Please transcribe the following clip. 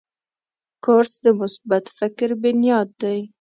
کورس د مثبت فکر بنیاد دی.